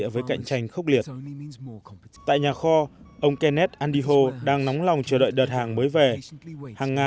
và giá cao hơn